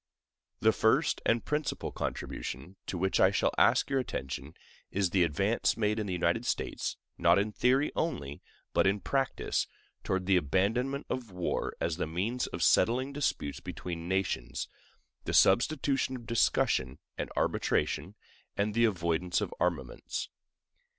The first and principal contribution to which I shall ask your attention is the advance made in the United States, not in theory only, but in practice, toward the abandonment of war as the means of settling disputes between nations, the substitution of discussion and arbitration, and the avoidance of armaments.